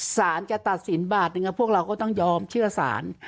สารจะตัดสินบาทหนึ่งพวกเราก็ต้องยอมเชื่อสาร